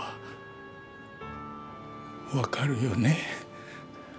わかるよね？